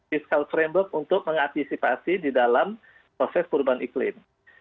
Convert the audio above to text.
fiskal framework untuk mengantisipasi di dalam proses perubahan iklim